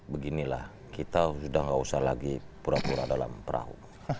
beginilah kita sudah tidak usah lagi pura pura dalam perahu